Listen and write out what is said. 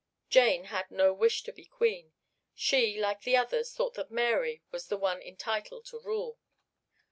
Jane had no wish to be Queen; she, like the others, thought that Mary was the one entitled to rule.